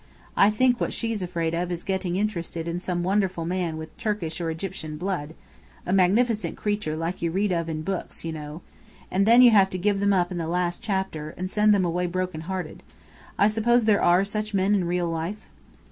I think what she's afraid of is getting interested in some wonderful man with Turkish or Egyptian blood, a magnificent creature like you read of in books, you know; then you have to give them up in the last chapter, and send them away broken hearted. I suppose there are such men in real life?"